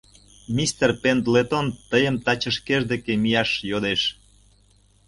— Мистер Пендлетон тыйым таче шкеж деке мияш йодеш.